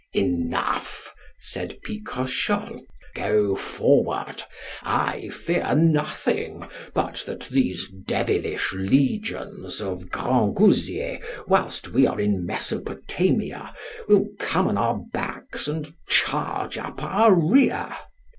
Enough, said Picrochole, go forward. I fear nothing but that these devilish legions of Grangousier, whilst we are in Mesopotamia, will come on our backs and charge up our rear.